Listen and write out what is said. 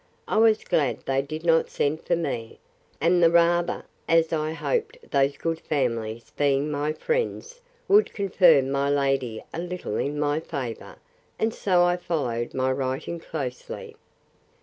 I was glad they did not send for me; and the rather, as I hoped those good families being my friends, would confirm my lady a little in my favour; and so I followed my writing closely.